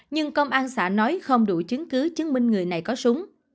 nhưng công an xã nói không đủ chứng cứ chứng minh người này có súng